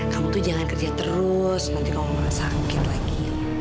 kamu tuh jangan kerja terus nanti kamu merasa mungkin lagi